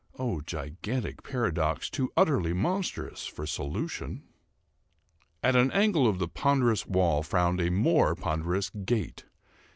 Oh, gigantic paradox, too utterly monstrous for solution! At an angle of the ponderous wall frowned a more ponderous gate.